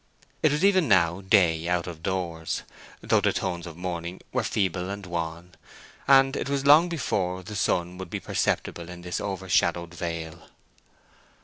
It was even now day out of doors, though the tones of morning were feeble and wan, and it was long before the sun would be perceptible in this overshadowed vale.